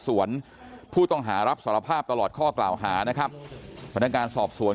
ผู้ต้องหารับสารภาพตลอดข้อกล่าวหานะครับพนักงานสอบสวน